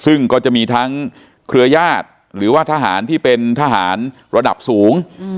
ซึ่งก็จะมีทั้งเครือญาติหรือว่าทหารที่เป็นทหารระดับสูง